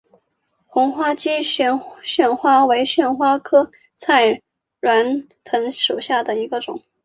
红花姬旋花为旋花科菜栾藤属下的一个种。